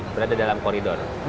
berada dalam koridor